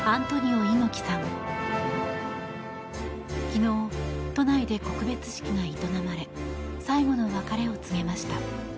昨日、都内で告別式が営まれ最後の別れを告げました。